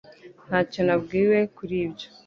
Ntacyo nabwiwe kuri ibyo